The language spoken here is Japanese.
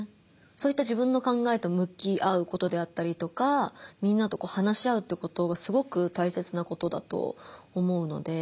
そういった自分の考えと向き合うことであったりとかみんなと話し合うってことがすごく大切なことだと思うので。